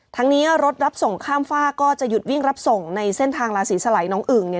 ทั้งนี้รถรับส่งข้ามฝากก็จะหยุดวิ่งรับส่งในเส้นทางลาศรีสลัยน้องอึ่งเนี่ย